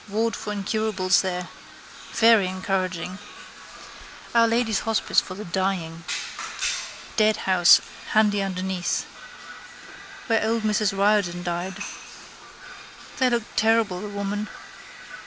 Ward for incurables there. Very encouraging. Our Lady's Hospice for the dying. Deadhouse handy underneath. Where old Mrs Riordan died. They look terrible the women.